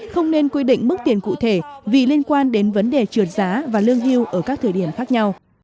không nên quy định mức tiền cụ thể vì liên quan đến vấn đề trượt giá và lương hưu ở các thời điểm khác nhau